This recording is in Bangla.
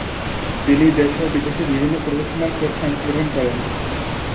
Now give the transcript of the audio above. তিনি দেশে ও বিদেশে বিভিন্ন প্রফেশনাল কোর্সে অংশগ্রহণ করেন।